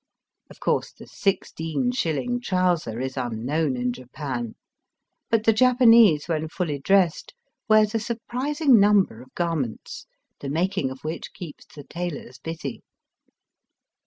Of course the sixteen shilling trouser is unknown in Japan ; but the Japanese when fully dressed wears a surprising number of garments, the making of which keeps the tailors busy.